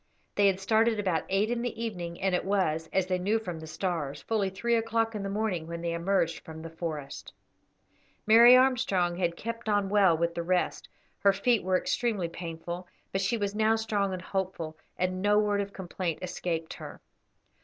They had started about eight in the evening, and it was, as they knew from the stars, fully three o'clock in the morning when they emerged from the forest. Mary Armstrong had kept on well with the rest; her feet were extremely painful, but she was now strong and hopeful, and no word of complaint escaped her.